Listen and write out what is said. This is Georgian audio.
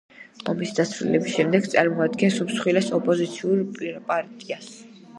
ომის დასრულების შემდეგ წარმოადგენს უმსხვილეს ოპოზიციურ პარტიას.